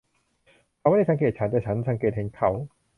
เขาไม่ได้สังเกตฉัน แต่ฉันสังเกตเห็นเขา